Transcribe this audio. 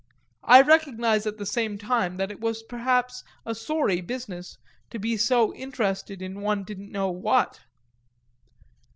I recognise at the same time that it was perhaps a sorry business to be so interested in one didn't know what.